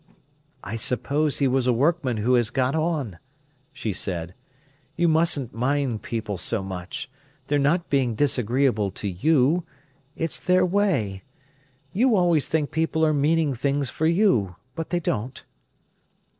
"I suppose he was a workman who has got on," she said. "You mustn't mind people so much. They're not being disagreeable to you—it's their way. You always think people are meaning things for you. But they don't."